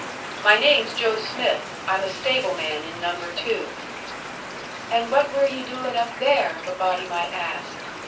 "My name's Joe Smith. I'm a stableman in Number Two." "And what were ye doin' up there, if a body might ask?"